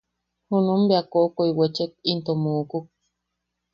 Junum bea koʼokoe wechek into muukuk.